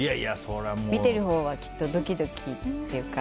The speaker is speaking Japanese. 見てるほうはドキドキというか。